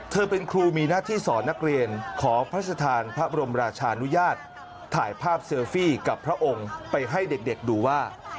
เธอเป็นครูมีหน้าที่สอนนักเรียนขอพระราชทานพระบรมราชานุญาตถ่ายภาพเซลฟี่กับพระองค์ไปให้เด็กดูว่า